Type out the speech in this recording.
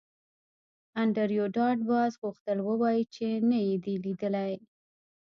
انډریو ډاټ باس غوښتل ووایی چې نه یې دی ویلي